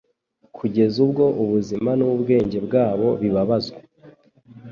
kugeza ubwo ubuzima n’ubwenge bwabo bibabazwa